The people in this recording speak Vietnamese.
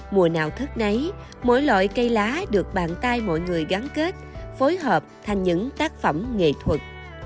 mùa nào thức nấy mỗi loại cây lá được bàn tay mọi người gắn kết phối hợp thành những tác phẩm nghệ thuật